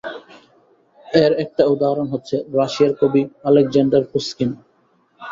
এর একটা উদাহরণ হচ্ছে রাশিয়ার কবি আলেকজান্ডার পুশকিন।